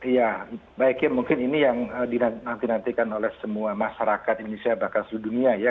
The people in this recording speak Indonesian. ya baiknya mungkin ini yang dinantikan oleh semua masyarakat indonesia bahkan seluruh dunia ya